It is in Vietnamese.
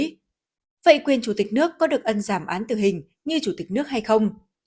bà võ thị ánh xuân giảm án tử hình như chủ tịch nước hay không